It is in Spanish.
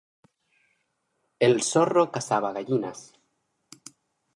El zorro cazaba gallinas